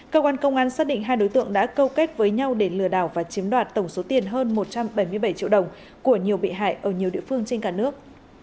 cơ quan công an xác định hai đối tượng đã câu kết với nhau để lừa đảo và chiếm đoạt tổng số tiền hơn một trăm bảy mươi bảy triệu đồng của nhiều bị hại ở nhiều địa phương trên cả nước